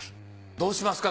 どうしますか？